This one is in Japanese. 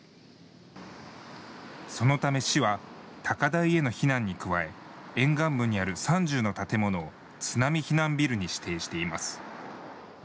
そのため、市は高台への避難に加え沿岸部にある３０の建物を津波避難ビルに指定しています。